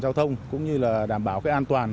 giao thông cũng như là đảm bảo an toàn